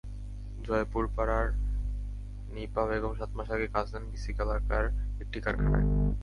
জয়পুরপাড়ার নিপা বেগম সাত মাস আগে কাজ নেন বিসিক এলাকার একটি কারখানায়।